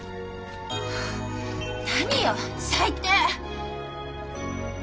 何よ最低！